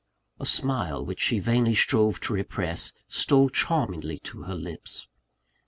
(A smile, which she vainly strove to repress, stole charmingly to her lips.)